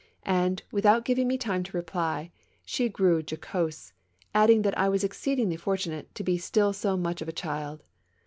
And, without giving me time to reply, she grew jocose, adding that I was exceedingly fortunate to be still so much of a child.